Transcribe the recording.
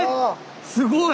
すごい！